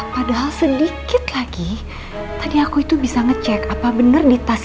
padahal sedikit lagi tadi aku itu bisa ngecek apa bener di tempat ini